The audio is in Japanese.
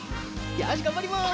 よしがんばります。